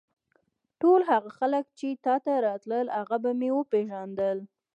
ټول هغه خلک چې تا ته راتلل هغه به مې وپېژندل.